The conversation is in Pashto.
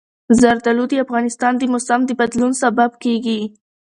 زردالو د افغانستان د موسم د بدلون سبب کېږي.